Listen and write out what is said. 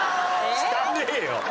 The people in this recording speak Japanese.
汚えよ！